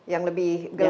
yang lebih gelap ya